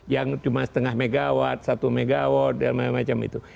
yang cuma setengah megawatt satu mw dan macam macam itu